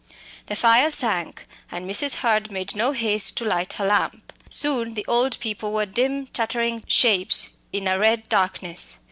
The fire sank, and Mrs. Hurd made no haste to light her lamp. Soon the old people were dim chattering shapes in a red darkness.